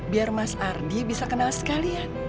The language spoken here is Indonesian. biar mas ardi bisa kenal sekalian